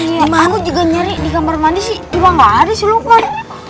iman juga nyari di kamar mandi sih iya gak ada sih lukman